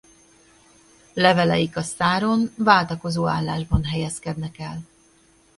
Leveleik a száron váltakozó állásban helyezkednek el.